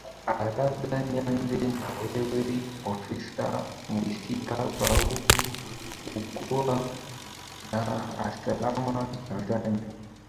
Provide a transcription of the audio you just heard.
aa labda nianze na wewe profesa mwesiga baregu ukiwa dar es salam tanzania